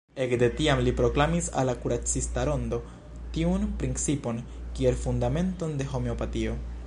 Ekde tiam li proklamis al la kuracista rondo tiun principon kiel fundamenton de Homeopatio.